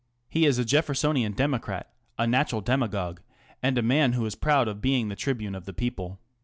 He is a Jeffersonian Democrat, a natural demagogue, and a man who is proud of being the tribune of the people.